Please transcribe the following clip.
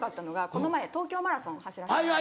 この前東京マラソン走らせてもらって。